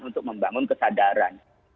untuk membangun kesadaran